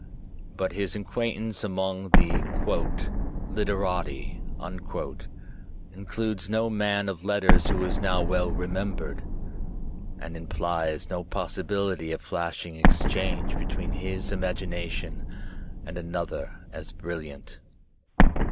But his acquaintance among the "literati" includes no man of letters who is now well re membered, and implies no possibility of flashing exchange be tween his imagination and another as brilliant.